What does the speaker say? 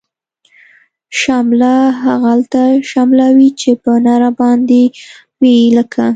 شمله هغلته شمله وی، چه په نرباندی وی لکه